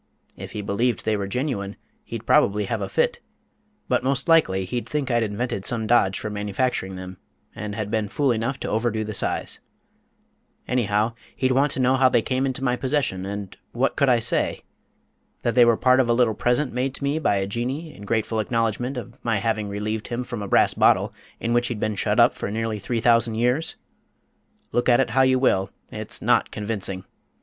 If he believed they were genuine, he'd probably have a fit; but most likely he'd think I'd invented some dodge for manufacturing them, and had been fool enough to overdo the size. Anyhow, he'd want to know how they came into my possession, and what could I say? That they were part of a little present made to me by a Jinnee in grateful acknowledgment of my having relieved him from a brass bottle in which he'd been shut up for nearly three thousand years? Look at it how you will, it's not convincing.